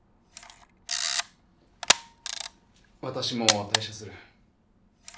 私も退社する。